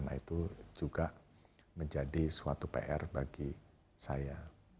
nah itu juga menjadi suatu pr bagi saya